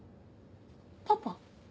パパ？